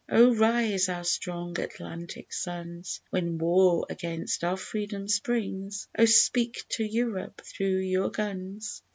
O rise, our strong Atlantic sons, When war against our freedom springs! O speak to Europe through your guns!